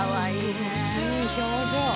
いい表情。